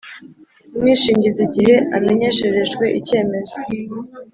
umwishingizi igihe amenyesherejwe icyemezo